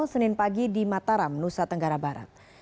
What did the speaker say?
senin pagi di mataram nusa tenggara barat